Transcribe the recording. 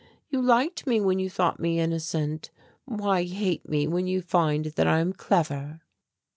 You liked me when you thought me innocent. Why hate me when you find that I am clever?"